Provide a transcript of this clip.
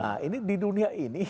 nah ini di dunia ini